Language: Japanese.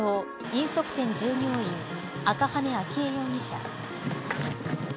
飲食店従業員赤羽純依容疑者。